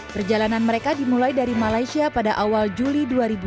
perjalanan mereka dimulai dari malaysia pada awal juli dua ribu dua puluh